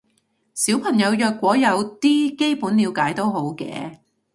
小朋友若果有啲基本了解都好嘅